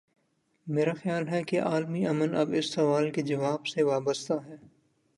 میرا خیال ہے کہ عالمی ا من اب اس سوال کے جواب سے وابستہ ہے۔